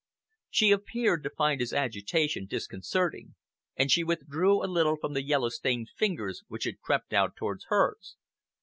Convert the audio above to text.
She appeared to find his agitation disconcerting, and she withdrew a little from the yellow stained fingers which had crept out towards hers.